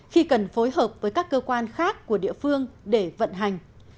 khi cần phối hợp với các cơ quan khác của địa phương để vận hành